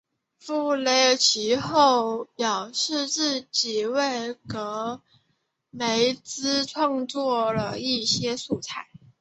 富勒其后表示自己为戈梅兹创作了一些素材。